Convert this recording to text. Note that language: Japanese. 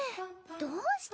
どうして？